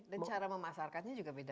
dan cara memasarkannya juga beda